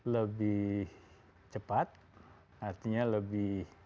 lebih cepat artinya lebih